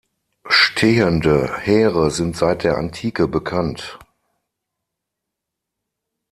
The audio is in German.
Stehende Heere sind seit der Antike bekannt.